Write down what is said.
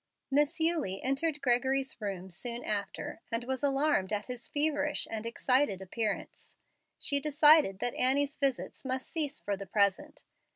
Miss Eulie entered Gregory's room soon after, and was alarmed at his feverish and excited appearance. She decided that Annie's visits must cease for the present.